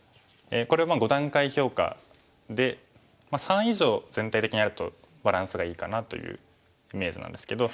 これ５段階評価で３以上全体的にあるとバランスがいいかなというイメージなんですけど。